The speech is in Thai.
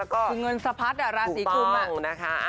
คือเงินสะพัดอ่ะราศีกุมถูกป้องนะคะ